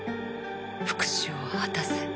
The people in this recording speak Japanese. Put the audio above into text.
「復讐を果たせ。